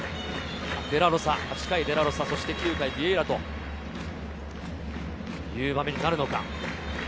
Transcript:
デラロサ８回、そして９回ビエイラという場面になるのか。